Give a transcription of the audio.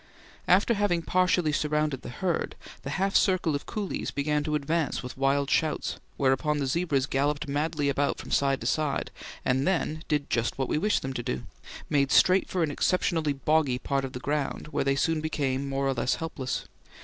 After having partially surrounded the herd, the half circle of coolies began to advance with wild shouts, whereupon the zebras galloped madly about from side to side, and then did just what we wished them to do made straight for an exceptionally boggy part of the ground, where they soon became more or less helpless.